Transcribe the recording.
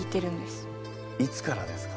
いつからですか？